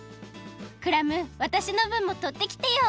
クラムわたしのぶんもとってきてよ。